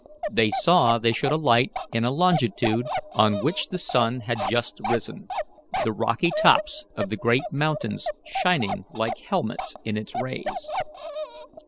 They saw they should alight in a longitude on which the sun had just risen, the rocky tops of the great mountains shining like helmets in its rays.